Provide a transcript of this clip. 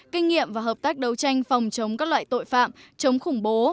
kinh nghiệm và hợp tác đấu tranh phòng chống các loại tội phạm chống khủng bố